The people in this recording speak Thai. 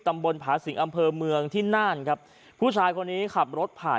ผาสิงอำเภอเมืองที่น่านครับผู้ชายคนนี้ขับรถผ่าน